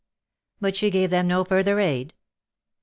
"But she gave them no further aid?"